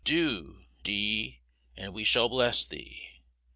Do D , and we shall bless thee.